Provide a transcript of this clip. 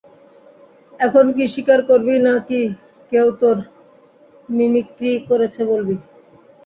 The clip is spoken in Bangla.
এখন কি স্বীকার করবি না-কি কেউ তোর মিমিক্রি করেছে বলবি?